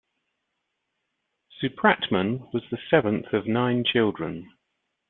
Supratman was the seventh of nine children.